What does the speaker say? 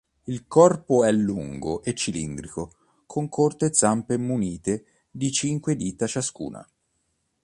Il corpo è lungo e cilindrico, con corte zampe munite di cinque dita ciascuna.